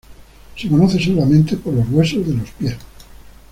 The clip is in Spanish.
Se conoce solamente por los huesos de los pies.